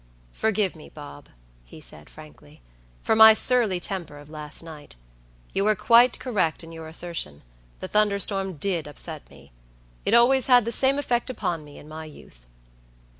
"Forgive me, Bob," he said, frankly, "for my surly temper of last night. You were quite correct in your assertion; the thunderstorm did upset me. It always had the same effect upon me in my youth."